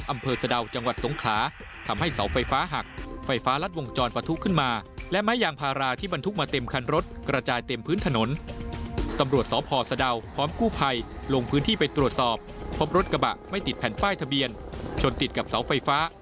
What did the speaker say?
ไม่ติดแผ่นป้ายทะเบียนชนติดกับเสาไฟฟ้า